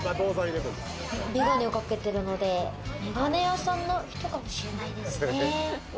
眼鏡をかけているので、眼鏡屋さんの人かもしれないですね。